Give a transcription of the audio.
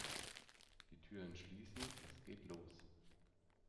Die Türen schließen, es geht los!